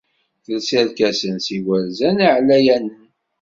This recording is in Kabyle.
Telsa irkasen s yigerzan iɛlayanen.